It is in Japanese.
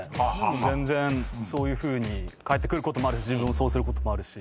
全然そういうふうに返ってくることもあるし自分もそうすることもあるし。